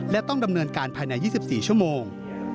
และต้องดำเนินการภายใน๒๔ชั่วโมง